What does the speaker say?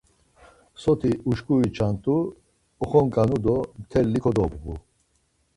Soti uşkuri çant̆u oxonǩanu do mteli kodobğu.